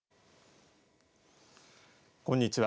こんにちは。